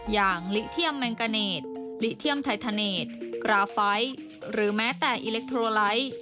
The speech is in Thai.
อย่างลิเทียมแมงกาเนตลิเทียมไททาเนตกราไฟท์หรือแม้แต่อิเล็กทรอไลท์